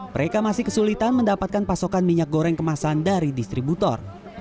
mereka masih kesulitan mendapatkan pasokan minyak goreng kemasan dari distributor